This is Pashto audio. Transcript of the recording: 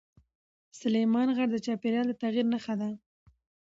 سلیمان غر د چاپېریال د تغیر نښه ده.